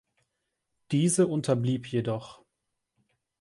Diese unterblieb jedoch.